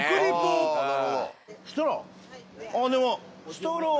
ストロー？